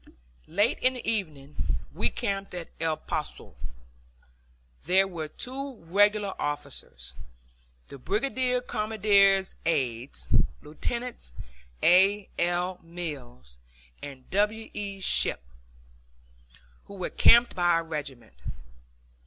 Late in the evening we camped at El Poso. There were two regular officers, the brigade commander's aides, Lieutenants A. L. Mills and W. E. Shipp, who were camped by our regiment.